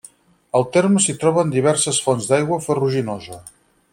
Al terme s'hi troben diverses fonts d'aigua ferruginosa.